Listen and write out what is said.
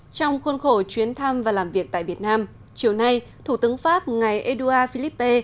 trong khuôn khổ chuyến thăm và làm việc tại việt nam chiều nay thủ tướng pháp ngài édouard philippe